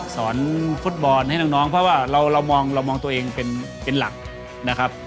สอนฟุตบอลให้น้องเพราะว่าเรามองเรามองตัวเองเป็นหลักนะครับ